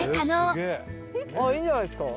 「いいんじゃないですか？」